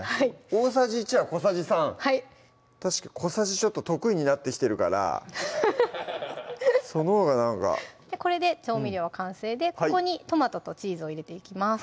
大さじ１は小さじ３小さじちょっと得意になってきてるからそのほうがなんかこれで調味料完成でここにトマトとチーズを入れていきます